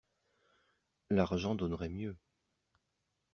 L'argent donnerait mieux.